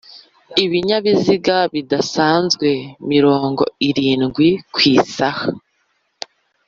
ibinyabiziga bidasanzwe mirongo irindwi ku isaha